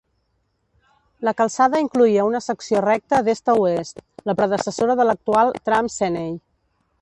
La calçada incloïa una secció recta d'est a oest, la predecessora de l'actual "tram Seney".